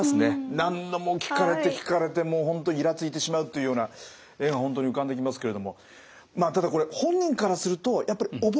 何度も聞かれて聞かれてもう本当イラついてしまうっていうような絵が本当に浮かんできますけれどもまあただこれ本人からするとやっぱり覚えなきゃっていうね。